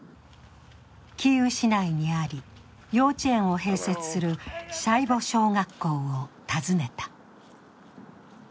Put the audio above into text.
キーウ市内にあり、幼稚園を併設するシャイヴォ小学校を訪ねた。